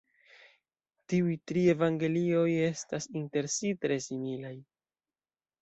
Tiuj tri evangelioj estas inter si tre similaj.